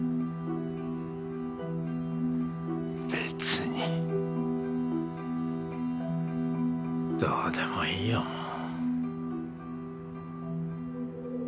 別にどうでもいいよもう。